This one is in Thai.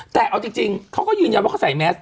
แต่เอาจริงเขาก็ยืนยันว่าเขาใส่แมส